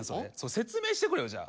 説明してくれよじゃあ。